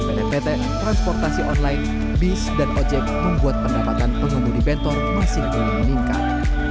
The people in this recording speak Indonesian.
pdpt transportasi online bis dan ojek membuat pendapatan pengemudi bentor masih terus meningkat